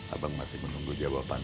abang masih menunggu jawabannya